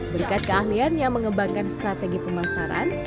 berkat keahlian yang mengembangkan strategi pemasaran